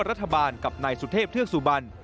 รัฐบาลกับนายสุเทพเทือกสุบัน